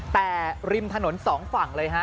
แต่ริมถนนสองฝั่งเลยฮะ